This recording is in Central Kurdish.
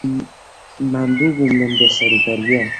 ماندوو بووم لەم بێسەروبەرییە.